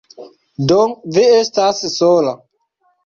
Do, vi estas sola